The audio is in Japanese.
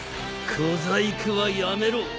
小細工はやめろ。